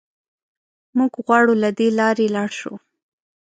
موږ غواړو له دې لارې لاړ شو.